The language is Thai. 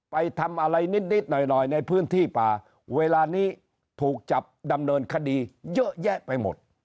ไปทำอะไรนิดหน่อยหน่อยในพื้นที่ป่าเวลานี้ถูกจับดำเนินคดีเยอะแยะไปหมด